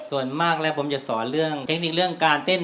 ส่วนมากแล้วผมจะสอนเรื่องเทคนิคเรื่องการเต้น